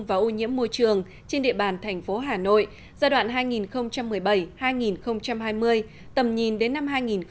và ô nhiễm môi trường trên địa bàn thành phố hà nội giai đoạn hai nghìn một mươi bảy hai nghìn hai mươi tầm nhìn đến năm hai nghìn ba mươi